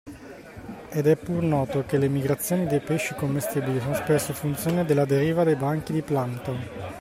Ed è pur noto che le migrazioni dei pesci commestibili sono spesso funzione della deriva dei banchi di plamkton.